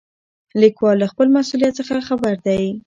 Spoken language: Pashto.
لیکوال له خپل مسؤلیت څخه خبر دی.